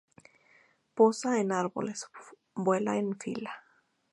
Posa en árboles, vuela en fila.